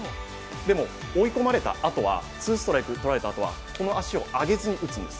でも、追い込まれたあと、ツーストライクとられたあとは、この足を上げずに打つんです。